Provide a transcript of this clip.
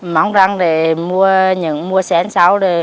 mong rằng để mua những mua sáng sau